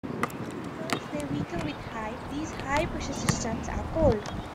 Because they weaken with height, these high-pressure systems are cold.